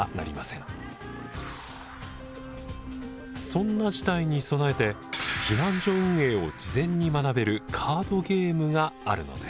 そんな事態に備えて避難所運営を事前に学べるカードゲームがあるのです。